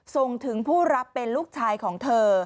ส่งถึงผู้รับเป็นลูกชายของเธอ